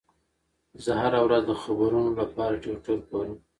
زه هره ورځ د خبرونو لپاره ټویټر ګورم.